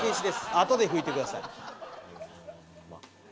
あとで拭いてください。